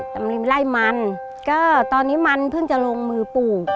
ตำริมไล่มันก็ตอนนี้มันเพิ่งจะลงมือปลูก